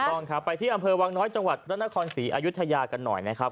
ต้องครับไปที่อำเภอวังน้อยจังหวัดพระนครศรีอายุทยากันหน่อยนะครับ